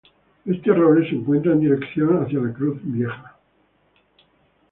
Este roble se encuentra en dirección hacia "la cruz vieja".